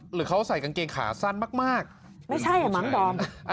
หรือเขาใส่กางเกงขาสั้นมากไม่ใช่อ่ะมั้งดอม